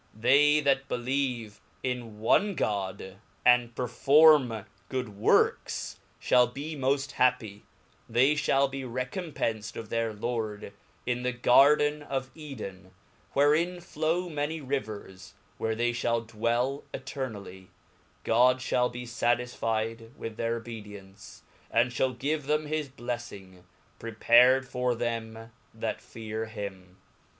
They that believe in Cc 2 one ^88 The Alcoran 0/ M a h o m e t. Chap.^^. one God, and performe good works, (hall be moft happy, they {hail be recompenfed of their Lord in the garden of Edeyf, wherein flow many rivers, where they (hall dwell eternallyc God fhall be fatisfied with their obedience , and fhall give them his blelfingj prepared for them that fear him.